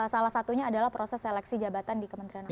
salah satunya adalah proses seleksi jabatan di kementerian hukum